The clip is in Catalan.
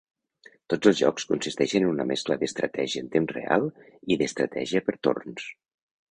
Tots els jocs consisteixen en una mescla d'estratègia en temps real i d'estratègia per torns.